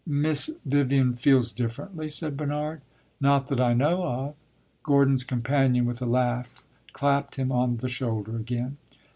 "Miss Vivian feels differently?" said Bernard. "Not that I know of." Gordon's companion, with a laugh, clapped him on the shoulder again.